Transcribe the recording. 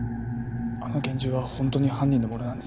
あの拳銃は本当に犯人のものなんですか？